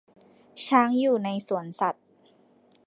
ช้างอยู่ในสวนสัตว์